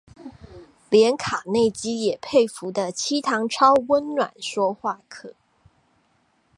連卡內基也佩服的七堂超溫暖說話課